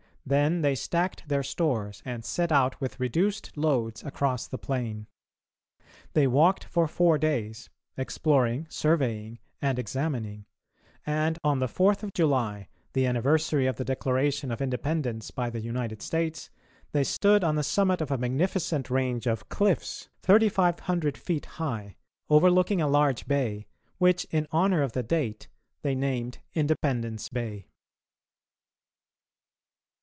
Then they stacked their stores and set out with reduced loads across the plain. They walked for four days, exploring, surveying, and examining; and on the fourth of July, the anniversary of the Declaration of Independence by the United States, they stood on the summit of a magnificent range of cliffs, 3500 feet high, overlooking a large bay, which, in honour of the date, they named Independence Bay.